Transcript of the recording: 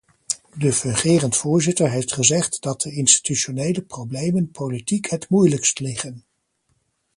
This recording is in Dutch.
De fungerend voorzitter heeft gezegd dat de institutionele problemen politiek het moeilijkst liggen.